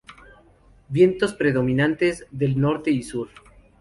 Vientos predominantes del norte y sur.